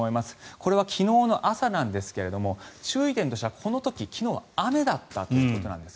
これは昨日の朝なんですが注意点としては昨日はこの時雨だったということなんです。